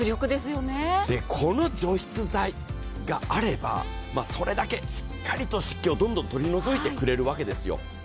この除湿剤があればそれだけしっかりと湿気をどんどん取り除いてくれるわけですよ。